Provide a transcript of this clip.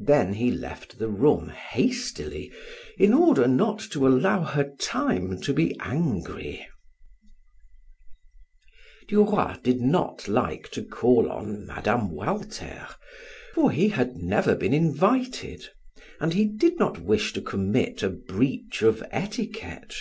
Then he left the room hastily in order not to allow her time to be angry. Duroy did not like to call on Mme. Walter, for he had never been invited, and he did not wish to commit a breach of etiquette.